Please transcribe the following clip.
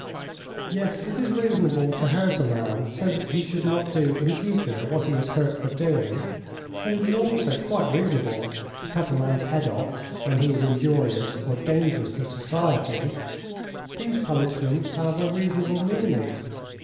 "Yes, it is reasonable to hurt a man so that he should not do in future what he is hurt for doing, and it is also quite reasonable to cut a man's head off when he is injurious or dangerous to society. These punishments have a reasonable meaning.